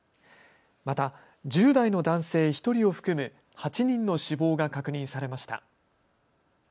また１０代の男性１人を含む８人の死亡が確認されました。